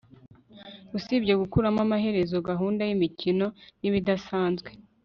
usibye gukuramo amaherezo gahunda yimikino nibidasanzwe